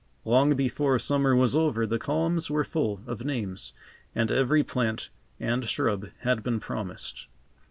Long before summer was over the columns were full of names and every plant and shrub had been promised.